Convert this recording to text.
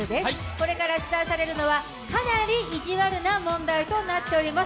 これから出題されるのは、かなりいじわるな問題となっています。